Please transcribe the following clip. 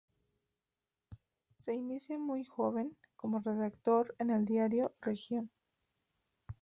Se inicia, muy joven, como redactor en el diario "Región".